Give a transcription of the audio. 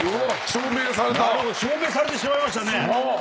証明されてしまいましたね。